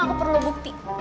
aku perlu bukti